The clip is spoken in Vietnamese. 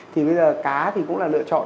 thì bây giờ cá thì cũng là lựa chọn